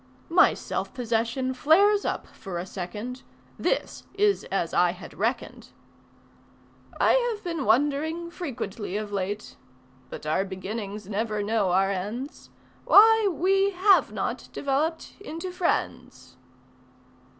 My self possession flares up for a second; This is as I had reckoned. "I have been wondering frequently of late (But our beginnings never know our ends!) Why we have not developed into friends."